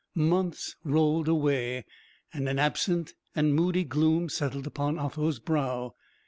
Months rolled away, and an absent and moody gloom settled upon Otho's brow.